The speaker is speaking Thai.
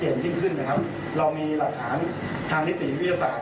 ชัดเกณฑ์ทิ้งซึ่งนะครับเรามีหลักฐานทางนิติวิทยาศาสตร์